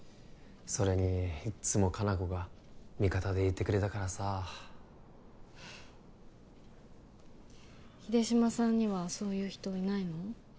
それにいっつも果奈子が味方でいてくれたからさ秀島さんにはそういう人いないの？